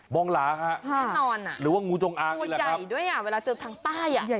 บองหลาค่ะหรือว่างูจงอ้างนี่แหละครับงูใหญ่ด้วยเวลาเจอทางใต้